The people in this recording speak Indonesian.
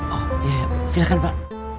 oh iya silahkan pak